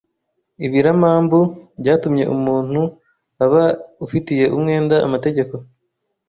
ibiramambu, byatumye umuntu aba ufitiye umwenda amategeko,